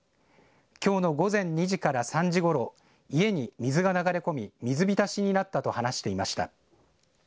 きょうの午前２時から３時ごろ家に水が流れ込み水浸しになったと話していました。